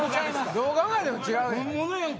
どう考えても違うやんか。